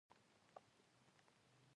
کچالو د نرم پخلي خاصیت لري